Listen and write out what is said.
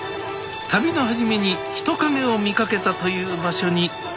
旅の初めに人影を見かけたという場所に向かいます